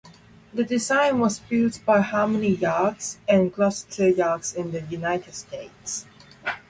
The design was built by Harmony Yachts and Gloucester Yachts in the United States.